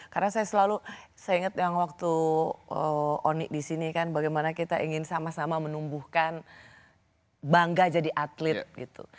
karena saya selalu saya inget yang waktu oni disini kan bagaimana kita ingin sama sama menumbuhkan bangga jadi atlet gitu